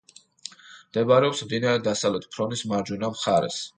მდებარეობს მდინარე დასავლეთ ფრონის მარჯვენა მხარეს.